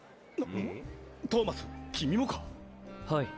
ん⁉トーマス君もか⁉はい。